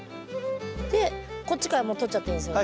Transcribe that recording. でこっちからもう取っちゃっていいんですよね。